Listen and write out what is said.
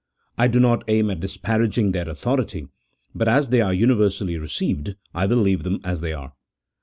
I do not aim at disparaging their authority, but as they are universally received I will leave them as they are.